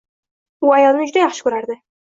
U ayolini juda yaxshi ko‘rardi.